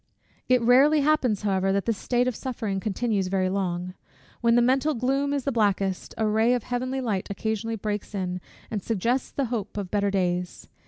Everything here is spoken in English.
It rarely happens, however, that this state of suffering continues very long. When the mental gloom is the blackest, a ray of heavenly light occasionally breaks in, and suggests the hope of better days.